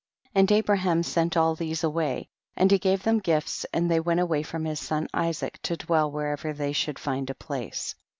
6. And Abraham sent all these away, and he gave them gifts, and ihey went away from his son Isaac to dwell wherever they should find a place.